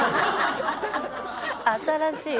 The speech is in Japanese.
新しい。